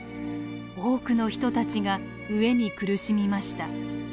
多くの人たちが飢えに苦しみました。